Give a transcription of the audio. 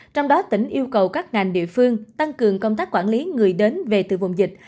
trong đó tỉnh yêu cầu các ngành địa phương tăng cường công tác quản lý người đến về từ vùng dịch